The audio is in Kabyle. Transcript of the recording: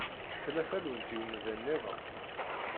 Tella tallunt i umdan niḍen?